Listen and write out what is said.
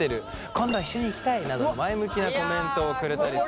「今度一緒に行きたい！」などの前向きなコメントをくれたりする。